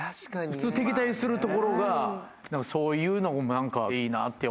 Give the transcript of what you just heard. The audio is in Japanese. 普通敵対するところがそういうのも何かいいなって思いましたね。